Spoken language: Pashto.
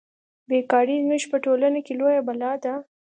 بې کاري زموږ په ټولنه کې لویه بلا ده